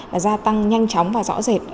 đã gia tăng nhanh chóng và rõ rệt